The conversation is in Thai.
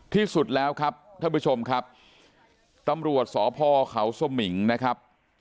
ที่สุดแล้วครับท่านผู้ชมครับตำรวจสพเขาสมิงนะครับ